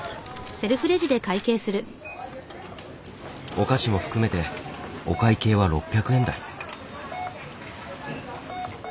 お菓子も含めてお会計は６００円台。